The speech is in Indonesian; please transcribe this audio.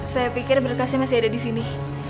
saya pikir berkasnya masih ada di sini